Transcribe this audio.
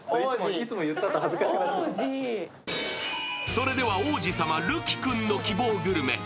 それでは王子さま、瑠姫君の希望グルメ。